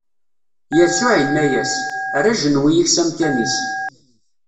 Yasuɛ inna-as: Err ajenwi-ik s amkan-is.